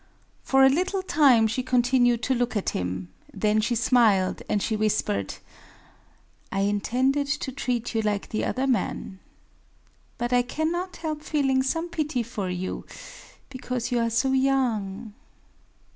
For a little time she continued to look at him;—then she smiled, and she whispered:—"I intended to treat you like the other man. But I cannot help feeling some pity for you,—because you are so young...